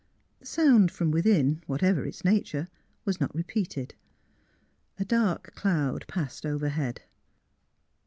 The sound from within, whatever its nature, was not repeated. A dark cloud passed overhead.